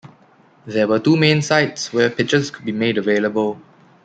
There were two main sites where pitches could be made available.